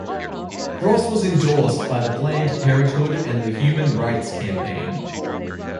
Gross was endorsed by Planned Parenthood and the Human Rights Campaign.